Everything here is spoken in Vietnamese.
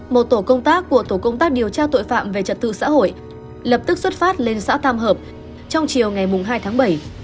một tổ công tác của tổ công tác điều tra tội phạm về trật tự xã hội lập tức xuất phát lên xã tam hợp trong chiều ngày hai tháng bảy